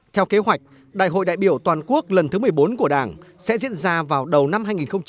theo kế hoạch đại hội đại biểu toàn quốc lần thứ một mươi bốn của đảng sẽ diễn ra vào đầu năm hai nghìn hai mươi